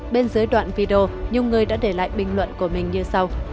bên dưới đoạn video nhiều người đã để lại bình luận của mình như sau